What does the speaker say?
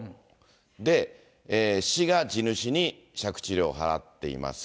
で、市が地主に借地料を払っています。